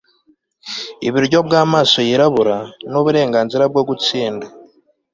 iburyo bw'amaso yirabura, n'uburenganzira bwo gutsinda